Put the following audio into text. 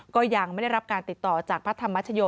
ก็ยังไม่ได้รับการติดต่อจากพระธรรมชโย